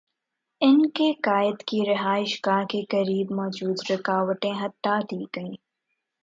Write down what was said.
ان کے قائد کی رہائش گاہ کے قریب موجود رکاوٹیں ہٹا دی گئیں۔